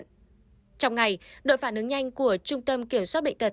trong ngày đội phản ứng nhanh của trung tâm kiểm soát bệnh tật